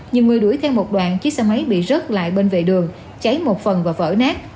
nhiều người đuổi theo một đoạn chiếc xe máy bị rớt lại bên vệ đường cháy một phần và vỡ nát